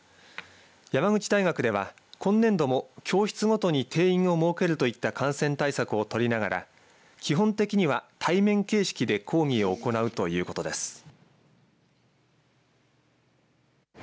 山口大学では今年度も教室ごとに定員を設けるといった感染対策をとりながら基本的には、対面形式で講義を行うということです。